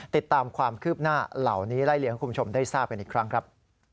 ติดตามความคืบหน้าเหล่านี้ไล่เลี้ให้คุณผู้ชมได้ทราบกันอีกครั้งครับ